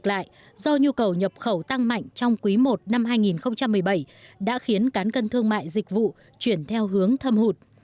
trở lại do nhu cầu nhập khẩu tăng mạnh trong quý i năm hai nghìn một mươi bảy đã khiến cán cân thương mại dịch vụ chuyển theo hướng thâm hụt